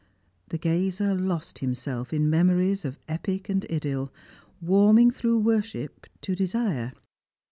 The gazer lost himself in memories of epic and idyll, warming through worship to desire.